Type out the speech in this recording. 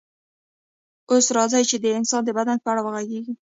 اوس راځئ چې د انسان د بدن په اړه وغږیږو